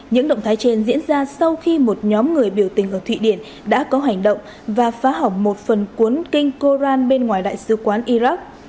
những động thái trên diễn ra sau khi một nhóm người biểu tình ở thụy điển đã có hành động và phá hỏng một phần cuốn kinh koran bên ngoài đại sứ quán iraq